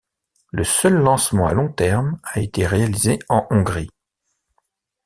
Le seul lancement à long terme a été réalisé en Hongrie.